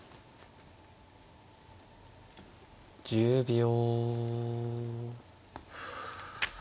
１０秒。